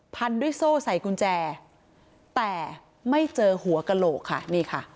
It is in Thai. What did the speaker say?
พันด้วยโซ่ใส่กุญแจแต่ไม่เจอหัวกระโหลกค่ะนี่ค่ะ